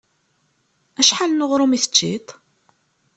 Acḥal n uɣrum i teččiḍ?